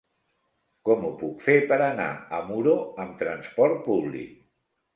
Com ho puc fer per anar a Muro amb transport públic?